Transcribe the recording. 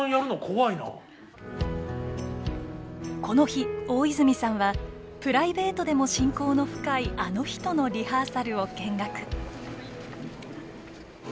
この日大泉さんはプライベートでも親交の深いあの人のリハーサルを見学。